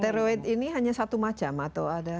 steroid ini hanya satu macam atau ada